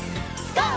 ＧＯ！